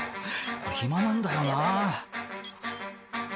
「これ暇なんだよな」